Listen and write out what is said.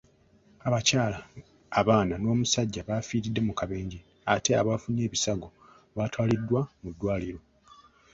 Abakyala, abaana n'omusajja baafiiridde mu kabenje, ate abaafunye ebisago baatwaliddwa mu ddwaliro.